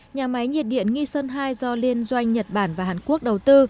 nhà máy nhiệt điện nghi sơn hai do liên doanh nhật bản và hàn quốc đầu tư